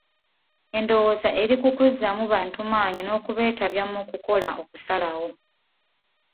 Endowooza eri ku kuzzaamu bantu maanyi n'okubeetabya mu kukola okusalawo.